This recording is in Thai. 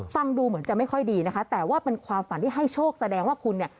ฟังดูเหมือนจะไม่ค่อยดีนะคะแต่ว่าเป็นความฝันที่ให้โชคแสดงว่าคุณเนี่ย